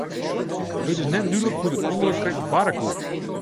It is net dúdlik hoe't it ûngelok krekt barre koe.